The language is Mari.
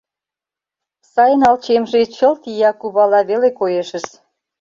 Сайналчемже чылт ия кувала веле коешыс.